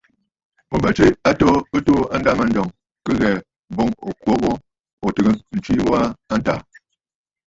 Ò bə tswe a atoo ɨ tuu a ndâmanjɔŋ kɨ ghɛ̀ɛ̀ boŋ ò kwo ghu ò tɨgə̀ ntswe ghu a ntàà.